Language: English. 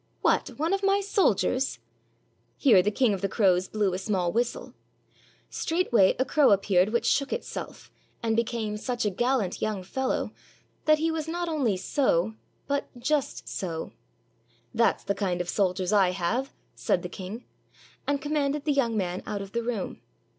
"What! one of my soldiers?" 391 AUSTRIA HUNGARY Here the King of the Crows blew a small whistle; straightway a crow appeared which shook itself, and be came such a gallant young fellow that he was not only so, but just so. ''That's the kind of soldiers I have," said the king, and commanded the young man out of the room.